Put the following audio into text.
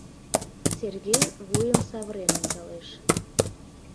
Сергей вуйым савырен ончалеш.